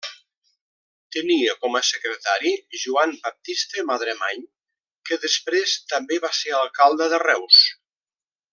Tenia com a secretari Joan Baptista Madremany, que després també va ser alcalde de Reus.